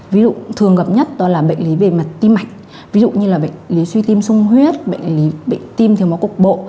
ví dụ thường gặp nhất đó là bệnh lý về mặt tim mạch ví dụ như là bệnh lý suy tim sung huyết bệnh tim thiếu máu cục bộ